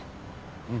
うん。